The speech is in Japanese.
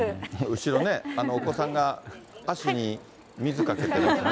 後ろね、お子さんが足に水かけてるね。